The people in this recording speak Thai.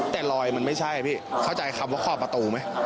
แต่รอยมันไม่ใช่พี่เข้าใจคำว่าขอบประตูไหม